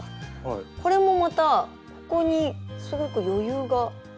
これもまたここにすごく余裕があるんですね。